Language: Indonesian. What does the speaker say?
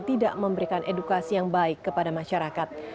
tidak memberikan edukasi yang baik kepada masyarakat